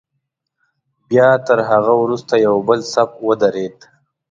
بیا تر هغه وروسته یو بل صف ودرېد.